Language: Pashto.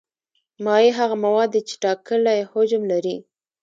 مایع هغه مواد دي چې ټاکلی حجم لري.